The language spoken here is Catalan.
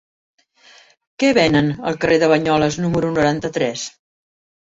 Què venen al carrer de Banyoles número noranta-tres?